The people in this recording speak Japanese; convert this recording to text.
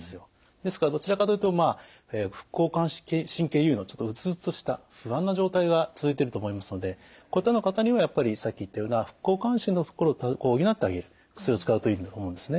ですからどちらかというとまあ副交感神経優位のちょっとうつうつとした不安な状態が続いてると思いますのでこういったような方にはやっぱりさっき言ったような副交感神経のところを補ってあげる薬を使うといいと思うんですね。